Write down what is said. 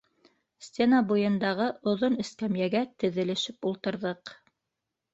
Стена буйындағы оҙон эскәмйәгә теҙелешеп ултырҙыҡ.